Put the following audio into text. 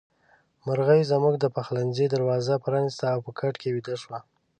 مرغۍ زموږ د پخلنځي دروازه پرانيسته او په کټ کې ويده شوه.